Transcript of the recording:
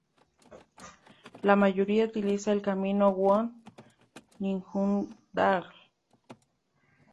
La mayoría utiliza el camino Wood-Ljungdahl.